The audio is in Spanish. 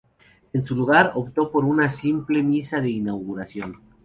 En su lugar, optó por una simple misa de inauguración.